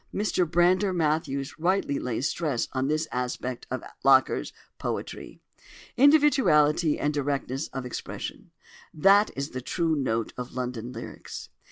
Mr Brander Matthews rightly lays stress on this aspect of Locker's poetry; "individuality and directness of expression"—that is the true note of "London Lyrics."